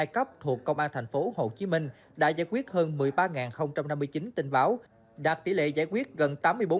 hai cấp thuộc công an tp hcm đã giải quyết hơn một mươi ba năm mươi chín tình báo đạt tỷ lệ giải quyết gần tám mươi bốn